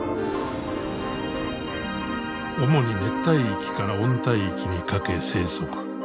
主に熱帯域から温帯域にかけ生息。